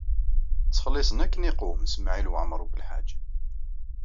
Ttxelliṣen akken iqwem Smawil Waɛmaṛ U Belḥaǧ.